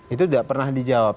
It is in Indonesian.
itu tidak pernah dijawab